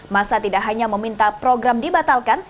masa tidak hanya meminta program dibatalkan